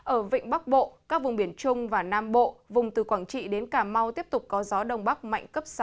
ở vịnh bắc bộ các vùng biển trung và nam bộ vùng từ quảng trị đến cà mau tiếp tục có gió đông bắc mạnh cấp sáu